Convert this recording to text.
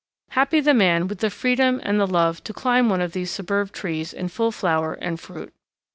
Happy the man with the freedom and the love to climb one of these superb trees in full flower and fruit.